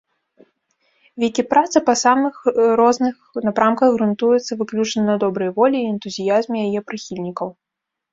Вікіпраца па самых розных напрамках грунтуецца выключна на добрай волі і энтузіязме яе прыхільнікаў.